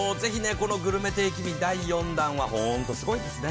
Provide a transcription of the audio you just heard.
このグルメ定期便第４弾は本当にすごいですね。